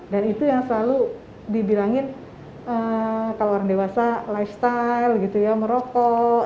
dan itu yang selalu dibilangin kalau orang dewasa lifestyle gitu ya merokok